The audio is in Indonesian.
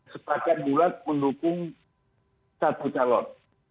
sepakat bulat mendukung satu calon